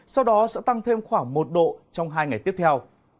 sau đó sẽ tăng thêm khoảng một độ trong hai ngày tiếp theo